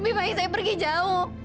lebih baik saya pergi jauh